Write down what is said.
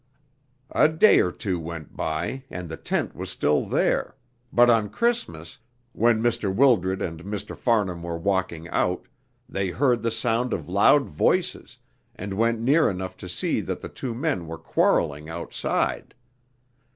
A day or two went by, and the tent was still there, but on Christmas, when Mr. Wildred and Mr. Farnham were walking out, they heard the sound of loud voices, and went near enough to see that the two men were quarrelling outside.